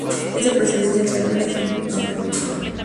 Es de procedencia germana y significa ‘hombre libre’.